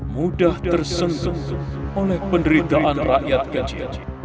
mudah tersentuh oleh penderitaan rakyat kecil